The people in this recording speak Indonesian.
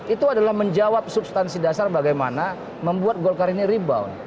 itu adalah menjawab substansi dasar bagaimana membuat golkar ini rebound